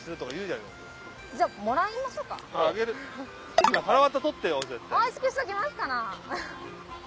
おいしくしときますから！